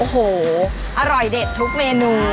โอ้โหอร่อยเด็ดทุกเมนู